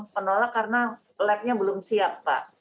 menolak karena lab nya belum siap pak